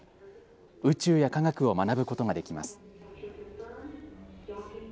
宇宙や科学を学ぶことができます。